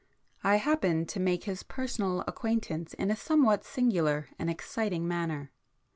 I happened to make his personal acquaintance in a somewhat singular and exciting manner.